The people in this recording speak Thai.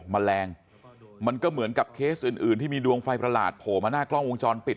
แมลงมันก็เหมือนกับเคสอื่นที่มีดวงไฟประหลาดโผล่มาหน้ากล้องวงจรปิด